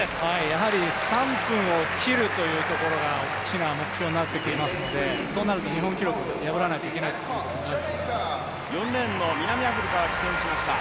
やはり３分を切るというところが大きな目標になってきますので、そうなると日本記録を破らないといけないということになりますね。